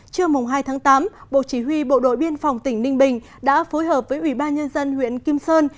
trưa hai tháng tám bộ chỉ huy bộ đội biên phòng tỉnh ninh bình đã phối hợp với ủy ban nhân dân huyện kim sơn